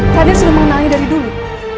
raden sudah mengenalnya dari dulu